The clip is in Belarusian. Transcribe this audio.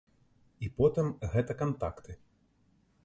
І потым, гэта кантакты.